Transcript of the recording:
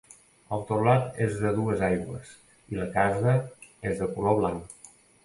El teulat és de dues aigües, i la casa és de color blanc.